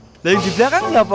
dan yang di belakang siapa